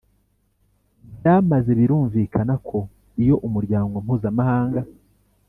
byamaze Birumvikana ko iyo umuryango mpuzamahanga